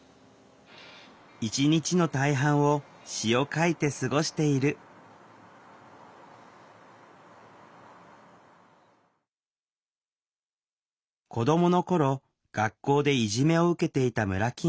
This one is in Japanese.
一日の大半を詩を書いて過ごしている子どもの頃学校でいじめを受けていたムラキングさん。